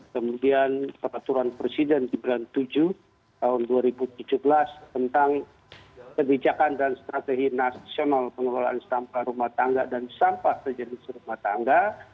kemudian peraturan presiden seribu sembilan ratus sembilan puluh tujuh tahun dua ribu tujuh belas tentang ketijakan dan strategi nasional pengelolaan sampah rumah tangga dan sampah kejenis rumah tangga